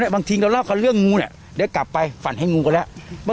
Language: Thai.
บางทีเราเล่ากันเรื่องงูเนี่ยเดี๋ยวกลับไปฝันให้งูกันแล้ว